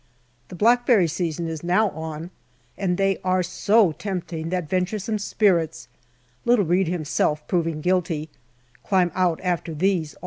The blackberry season is now on, and they are so tempting that venturesome spirits little Reid himself proving guilty climb out after these also.